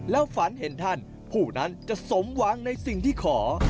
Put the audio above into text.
แล้วฝันเห็นท่านผู้นั้นจะสมหวังในสิ่งที่ขอ